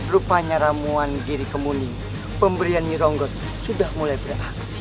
rupanya ramuan giri kemuning pemberian nironggot sudah mulai beraksi